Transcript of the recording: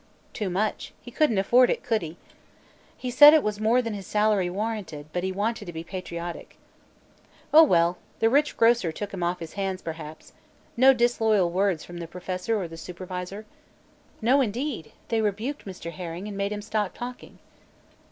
"Too much. He couldn't afford it, could he?" "He said it was more than his salary warranted, but he wanted to be patriotic." "Oh, well; the rich grocer took them off his hands, perhaps. No disloyal words from the Professor or the supervisor?" "No, indeed; they rebuked Mr. Herring and made him stop talking."